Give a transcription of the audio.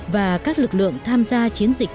và các lực lượng tham gia chiến dịch